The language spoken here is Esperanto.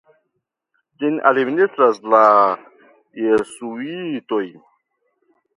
Ĝin administras la jezuitoj.